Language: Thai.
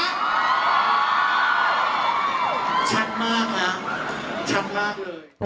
ชัดมากนะชัดมากเลย